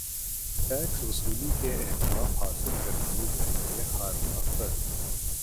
tax وصولی کے اہداف حاصل کرلئے جائیں گے ہارون اختر